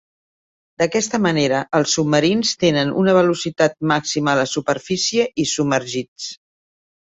D'aquesta manera els submarins tenen una velocitat màxima a la superfície i submergits.